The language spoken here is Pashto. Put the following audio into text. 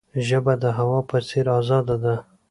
ژبه د هوا په څیر آزاده ده.